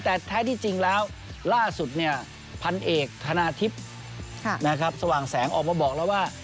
แต่แท้ที่จริงแล้วล่าสุดพันเอกธนาทิพย์สว่างแสงออกมาบอกแล้วว่า